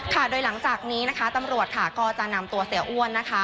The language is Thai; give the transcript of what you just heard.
ค่ะโดยหลังจากนี้นะคะตำรวจค่ะก็จะนำตัวเสียอ้วนนะคะ